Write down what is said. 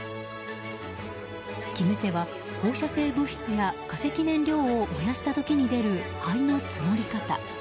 決め手は放射性物質や化石燃料を燃やした時に出る灰の積もり方。